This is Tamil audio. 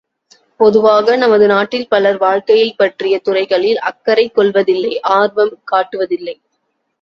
பொதுவாக நமது நாட்டில் பலர் வாழ்க்கையைப் பற்றிய துறைகளில் அக்கறை கொள்வதில்லை ஆர்வம் காட்டுவதில்லை.